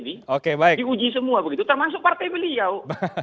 di uji semua begitu termasuk partai beliau